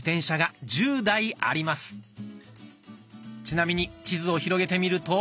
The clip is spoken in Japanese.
ちなみに地図を広げてみると。